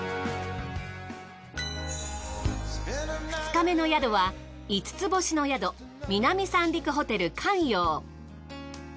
２日目の宿は５つ星の宿南三陸ホテル観洋。